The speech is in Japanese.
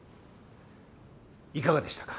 いかがでしたか？